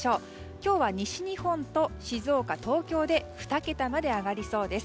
今日は西日本と静岡、東京で２桁まで上がりそうです。